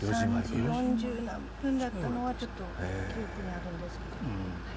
３時４１分だったのは記憶にあるんですけど。